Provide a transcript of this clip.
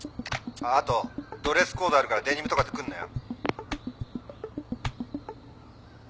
あっあとドレスコードあるからデニムとかで来んなよ。